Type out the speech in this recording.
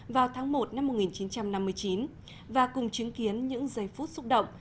vào tháng một năm một nghìn chín trăm năm mươi chín và cùng chứng kiến những giây phút xúc động